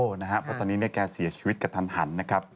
เพราะตอนนี้เนี่ยแกเสียชีวิตกระทัน